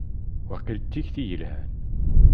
Waqil d tikti yelhan.